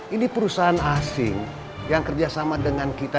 ini perusahaan asing yang kerja sama dengan kita